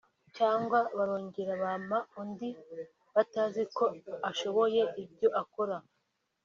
(cyangwa) barongera bampa undi bataziko ashoboye ibyo akora